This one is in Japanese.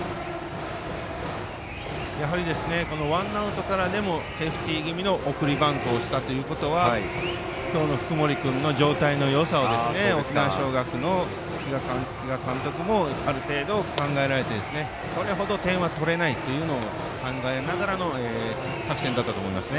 ワンアウトからでもセーフティー気味の送りバントをしたということは今日の福盛君の状態のよさを沖縄尚学の比嘉監督もある程度考えられてそれほど点は取れないというのを考えながらの作戦だったと思います。